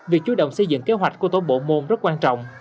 việc chú động xây dựng kế hoạch của tổ bộ môn rất quan trọng